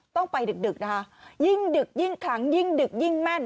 ต้องไปดึกนะคะยิ่งดึกยิ่งขลังยิ่งดึกยิ่งแม่น